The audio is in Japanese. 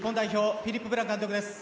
フィリップ・ブラン監督です。